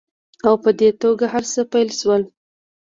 او په دې توګه هرڅه پیل شول